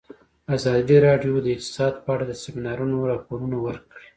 ازادي راډیو د اقتصاد په اړه د سیمینارونو راپورونه ورکړي.